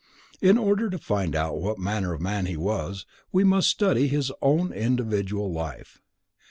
In order to find out what manner of man he was, we must study his own individual life.